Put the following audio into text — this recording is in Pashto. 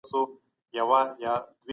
هغه مي سرې